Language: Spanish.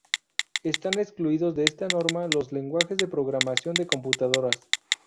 Están excluidos de esta norma los lenguajes de programación de computadoras.